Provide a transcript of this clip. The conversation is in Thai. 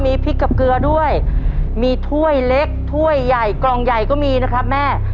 มีพริกกับเกลือด้วยมีถ้วยเล็กถ้วยใหญ่กล่องใหญ่ก็มีนะครับแม่